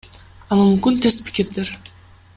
А мүмкүн терс пикирдир?